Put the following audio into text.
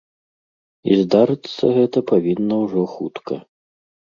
І здарыцца гэта павінна ўжо хутка.